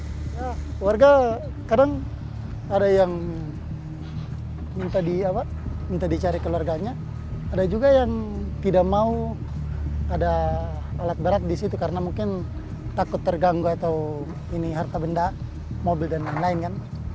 warga kadang ada yang minta dicari keluarganya ada juga yang tidak mau ada alat berat disitu karena mungkin takut terganggu atau ini harta benda mobil dan lain lain kan